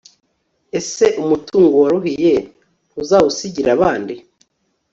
ese umutungo waruhiye, ntuzawusigira abandi